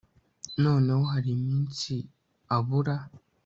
Noneho hari iminsi abura